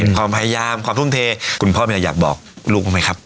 ความพยายามความทุ่มเทคุณพ่อมีอะไรอยากบอกลูกบ้างไหมครับ